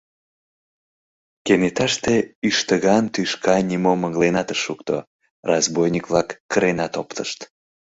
Кенеташте ӱштыган тӱшка нимом ыҥленат ышт шукто, разбойник-влак кыренат оптышт.